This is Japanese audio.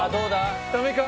ダメか？